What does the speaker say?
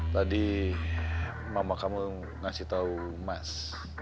tadi mama kamu ngasih tahu mas